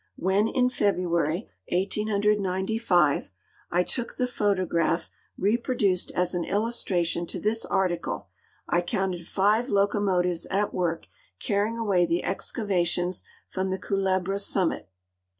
When, in Feb ruary, 1895, 1 took the photograph reproduced as an illustration to this article I counted five locomotives at work cariying away the excavations from the Culebra summit.